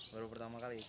baru pertama kali